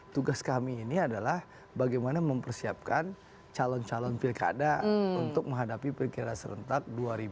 tugas kami ini adalah bagaimana mempersiapkan calon calon pilkada untuk menghadapi pilkada serentak dua ribu dua puluh